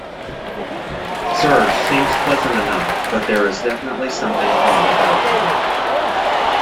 Serge seems pleasant enough, but there is definitely something odd about him.